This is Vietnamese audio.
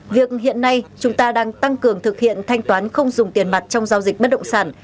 việc hiện nay chúng ta đang tăng cường thực hiện thanh toán không dùng tiền mặt trong giao dịch bất động sản